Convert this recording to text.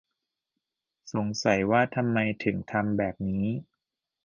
สงสัยว่าทำไมถึงทำแบบนี้